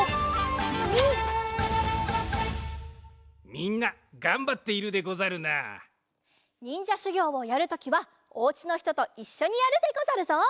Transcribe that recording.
みんながんばっているでござるな。にんじゃしゅぎょうをやるときはお家のひとといっしょにやるでござるぞ。